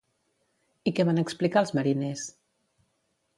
I què van explicar els mariners?